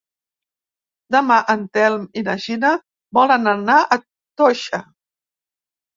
Demà en Telm i na Gina volen anar a Toixa.